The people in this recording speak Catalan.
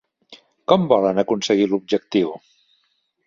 Com volen aconseguir l'objectiu?